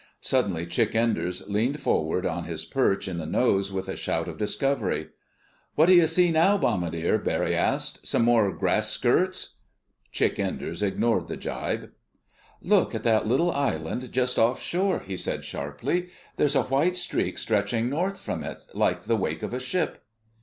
Suddenly Chick Enders leaned forward on his perch in the nose, with a shout of discovery. "What do you see now, bombardier?" Barry asked. "Some more grass skirts?" Chick Enders ignored the gibe. "Look at that little island, just offshore," he said sharply. "There's a white streak stretching north from it, like the wake of a ship."